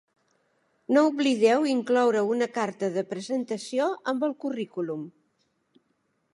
No oblideu incloure una carta de presentació amb el currículum.